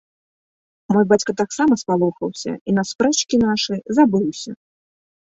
Мой бацька таксама спалохаўся, і на спрэчкі нашы забыўся.